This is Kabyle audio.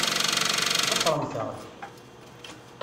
Ḍefṛemt-aɣ-d!